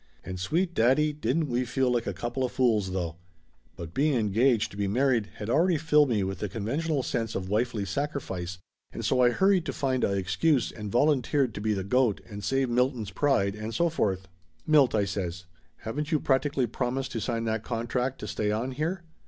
And sweet daddy, didn't we feel like a coupla fools though! But being engaged to be mar ried had already filled me with the conventional sense of wifely sacrifice, and so I hurried to find a excuse and volunteered to be the goat and save Milton's pride and so forth. 336 Laughter Limited "Milt," I says, "haven't you practically promised to sign that contract to stay on here